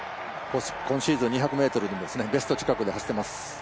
今シーズン２００ｍ、ベスト近くで走っています。